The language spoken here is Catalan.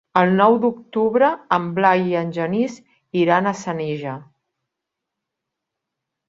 El nou d'octubre en Blai i en Genís iran a Senija.